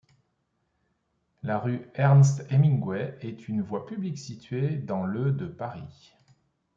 La rue Ernest-Hemingway est une voie publique située dans le de Paris.